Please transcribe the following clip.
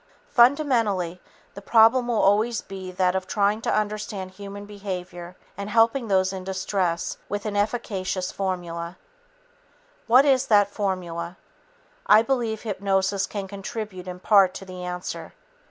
Fundamentally, the problem will always be that of trying to understand human behavior and helping those in distress with an efficacious formula. What is that formula? I believe hypnosis can contribute in part to the answer.